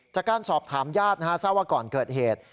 จากการสอบถามญาตินะฮะทราบว่าก่อนเกิดเหตุ